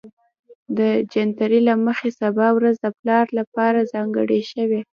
د جنتري له مخې سبا ورځ د پلار لپاره ځانګړې شوې